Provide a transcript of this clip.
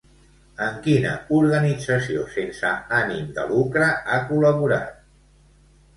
En quina organització sense ànim de lucre ha col·laborat?